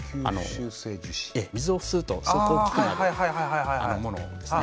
水を吸うとすごく大きくなるものですね。